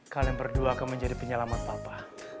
kalian berdua akan menjadi penyelamat papa